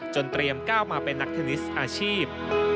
เตรียมก้าวมาเป็นนักเทนนิสอาชีพ